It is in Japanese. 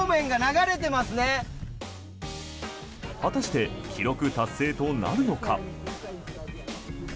果たして記録達成となるのか。